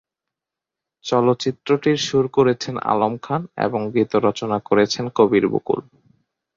চলচ্চিত্রটির সুর করেছেন আলম খান এবং গীত রচনা করেছেন কবির বকুল।